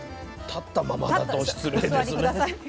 立ったままだと失礼ですね。